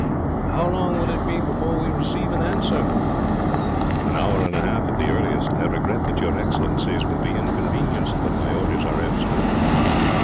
"How long will it be before we receive an answer?" "An hour and a half, at the earliest. I regret that your Excellencies will be inconvenienced, but my orders are absolute."